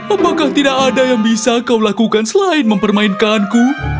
apakah tidak ada yang bisa kau lakukan selain mempermainkanku